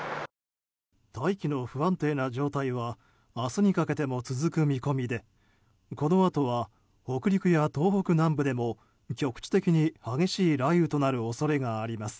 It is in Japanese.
大気の不安定な状態は明日にかけても続く見込みでこのあとは北陸や東北南部でも局地的に激しい雷雨となる恐れがあります。